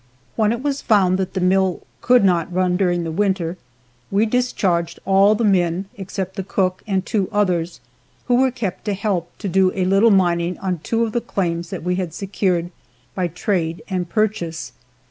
When it was found that the mill could not be run during the winter, we discharged all the men except the cook, and two others, who were kept to help do a little mining on two of the claims that we had secured by trade and purchase.